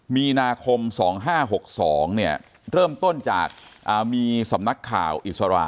มีนาคม๒๕๖๒เริ่มต้นจากมีสำนักข่าวอิสระ